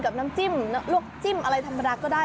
กับน้ำจิ้มหรือร่วมจิ้มอะไรธรรมานาก็ได้